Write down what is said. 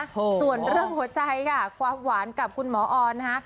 ส่วนเรื่องหัวใจค่ะความหวานกับคุณหมอออนนะคะ